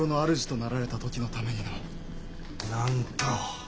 なんと。